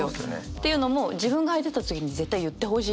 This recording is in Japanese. っていうのも自分が開いてた時に絶対言ってほしいので。